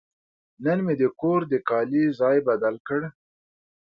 نن مې د کور د کالي ځای بدل کړ.